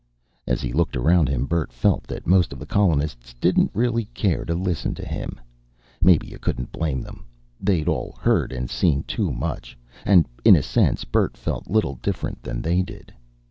As he looked around him Bert felt that most of the colonists didn't really care to listen to him. Maybe you couldn't blame them. They'd all heard and seen too much. And, in a sense, Bert felt little different than they did.